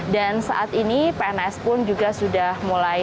dan saat ini pns pun juga sudah mulai